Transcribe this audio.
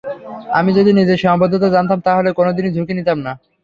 আমি যদি নিজের সীমাবদ্ধতা জানতাম, তাহলে কোনো দিনই ঝুঁকি নিতাম না।